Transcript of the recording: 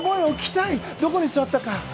どこに座ったか。